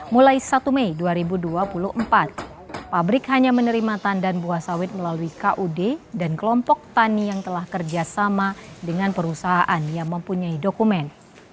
mulai satu mei dua ribu dua puluh empat pabrik hanya menerima tandan buah sawit melalui kud dan kelompok tani yang telah kerjasama dengan perusahaan yang mempunyai dokumen